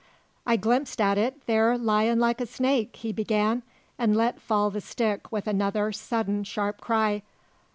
"I glimpsed at it, there, lyin' like a snake," he began, and let fall the stick with another sudden, sharp cry.